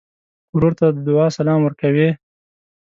ورور ته د دعا سلام ورکوې.